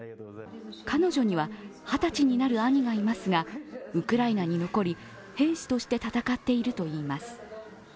彼女には二十歳になる兄がいますが、ウクライナに残り兵士として戦っているといいます。